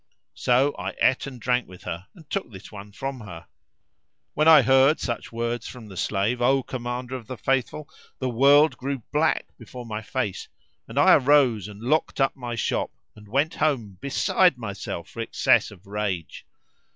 So I ate and drank with her and took this one from her." [FN#359] When I heard such words from the slave, O Commander of the Faithful, the world grew black before my face, and I arose and locked up my shop and went home beside myself for excess of rage.